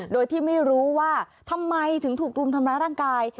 โดยที่ไม่รู้ว่าทำไมถึงถูกรุมทำร้ายร่างกาย